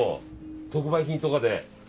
特売品とかで。